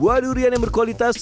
buah durian yang berkualitas